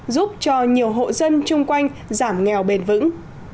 giúp cho nhiều hộ dân chung quanh giảm nghèo bền vững